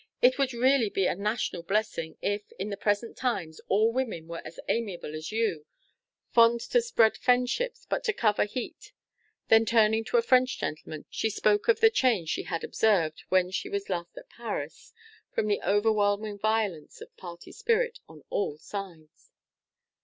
It would really be a national blessing, if, in the present times, all women were as amiable as you, 'Fond to spread friendships, but to cover heats.'" Then, turning to a French gentleman, she spoke of the change she had observed when she was last at Paris, from the overwhelming violence of party spirit on all sides.